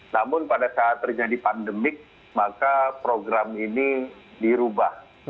namun pada saat terjadi pandemik maka program ini dirubah